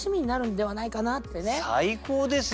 最高ですよ。